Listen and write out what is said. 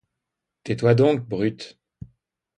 Tais-toi donc, brute !